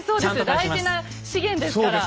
大事な資源ですから。